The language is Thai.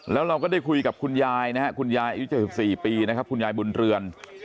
แล้วเราก็ได้คุยกับคุณยายนะครับคุณยายอายุ๗๔ปีนะครับคุณยายบุญเรือน